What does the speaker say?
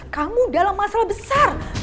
kamu dalam masalah besar